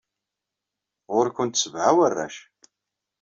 Ɣur-went sebɛa warrac.